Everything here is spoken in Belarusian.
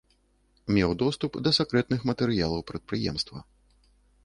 Меў доступ да сакрэтных матэрыялаў прадпрыемства.